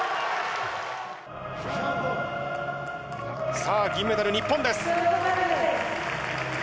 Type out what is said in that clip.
さあ、銀メダル日本です。